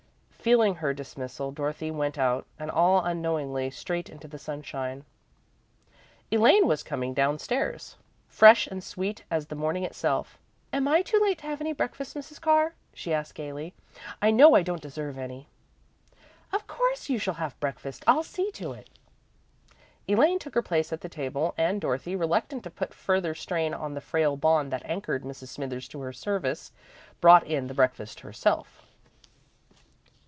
Feeling her dismissal, Dorothy went out, and, all unknowingly, straight into the sunshine. Elaine was coming downstairs, fresh and sweet as the morning itself. "Am I too late to have any breakfast, Mrs. Carr?" she asked, gaily. "I know I don't deserve any." "Of course you shall have breakfast. I'll see to it." Elaine took her place at the table and Dorothy, reluctant to put further strain on the frail bond that anchored Mrs. Smithers to her service, brought in the breakfast herself.